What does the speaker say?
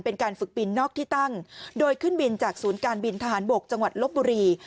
เป็นการฝึกบินนอกที่ตั้งโดยขึ้นบินจากศูนย์การบินทหารบกจังหวัดลบบุรี